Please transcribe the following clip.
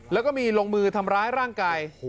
แล้วก็มีลงมือทำร้ายร่างกาย